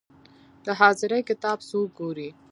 د حاضري کتاب څوک ګوري؟